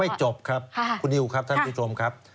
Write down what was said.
จบครับคุณนิวครับท่านผู้ชมครับ